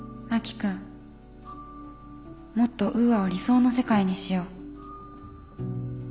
もっとウーアを理想の世界にしよう。